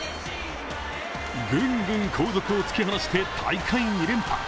グングン後続を突き放して大会２連覇。